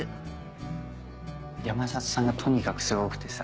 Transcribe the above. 山里さんがとにかくすごくてさ。